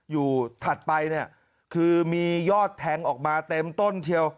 ถัดไปเนี่ยคือมียอดแทงออกมาเต็มต้นเทียว